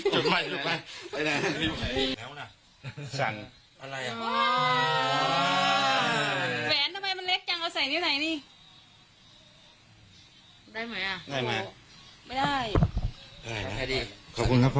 สุมแม่ละปล่าวเค้กก่อนดีกว่า